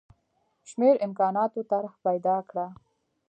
شمېر امکاناتو طرح پیدا کړه.